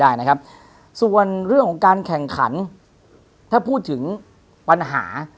ได้นะครับส่วนเรื่องของการแข่งขันถ้าพูดถึงปัญหา